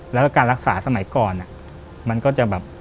แล้วก็การรักษาสมัยก่อนมันก็จะแบบ